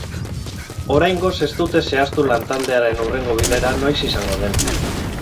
Oraingoz ez dute zehaztu lantaldearen hurrengo bilera noiz izango den.